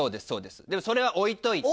でもそれは置いといて。